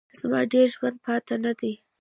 زما ډېر ژوند پاته نه دی.